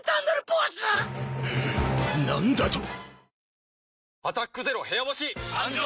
何だと！？